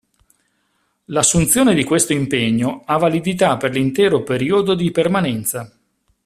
L'assunzione di questo impegno ha validità per l'intero periodo di permanenza.